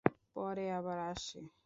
পরে আবার আসে।